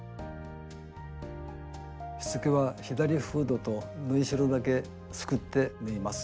しつけは左フードと縫いしろだけすくって縫います。